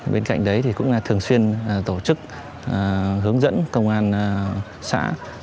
bên cạnh đấy thì cũng thường xuyên tổ chức hướng dẫn công an xã